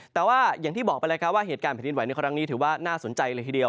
แต่ว่าอย่างที่บอกไปแล้วครับว่าเหตุการณ์แผ่นดินไหวในครั้งนี้ถือว่าน่าสนใจเลยทีเดียว